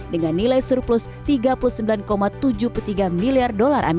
dengan nilai surplus rp tiga puluh sembilan tujuh puluh tiga miliar